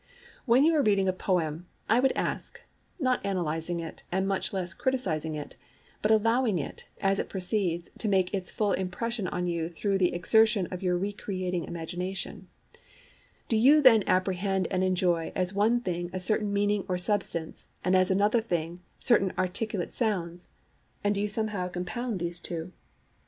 When you are reading a poem, I would ask—not analysing it, and much less criticizing it, but allowing it, as it proceeds, to make its full impression on you through the exertion of your re creating imagination—do you then apprehend and enjoy as one thing a certain meaning or substance, and as another thing certain articulate sounds, and do you somehow compound these two?